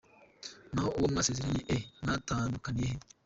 Naho uwo mwasezeranye! Eh mwatandkanira he?”.